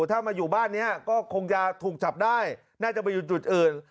ถ้ามาอยู่บ้านนี้ก็คงจะถูกจับได้น่าจะไปอยู่จุดอื่น